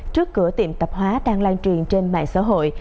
trước cửa tiệm tạp hóa đang lan truyền trên mạng xã hội